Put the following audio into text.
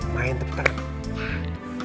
main tepuk tangan